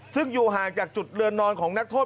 ซึ่งอยู่ห่างจากจุดเรือนนอนของนักโทษ